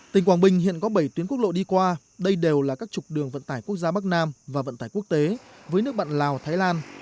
tỉnh quảng bình hiện có bảy tuyến quốc lộ đi qua đây đều là các trục đường vận tải quốc gia bắc nam và vận tải quốc tế với nước bạn lào thái lan